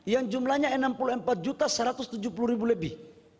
yang jumlahnya enam puluh empat satu ratus tujuh puluh lebih